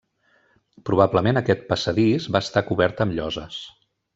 Probablement aquest passadís va estar cobert amb lloses.